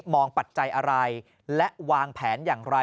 ปัจจัยอะไรและวางแผนอย่างไร